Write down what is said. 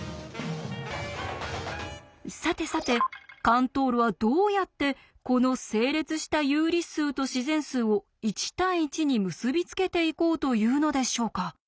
さてさてカントールはどうやってこの整列した有理数と自然数を１対１に結び付けていこうというのでしょうか。